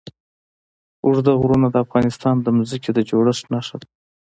اوږده غرونه د افغانستان د ځمکې د جوړښت نښه ده.